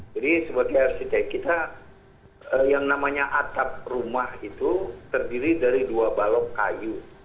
jadi sebagai arsitek kita yang namanya atap rumah itu terdiri dari dua balok kayu